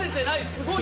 すごいよ。